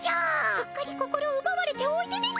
すっかり心をうばわれておいでです！